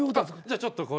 じゃあ。